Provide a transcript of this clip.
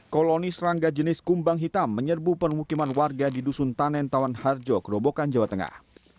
koloni serangga jenis kumbang hitam menyerbu permukiman warga di dusun panen tawan harjo kerobokan jawa tengah